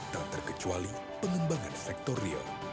tak terkecuali pengembangan sektor real